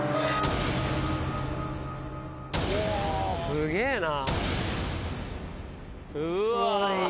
すげぇな！